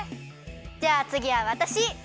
じゃあつぎはわたし！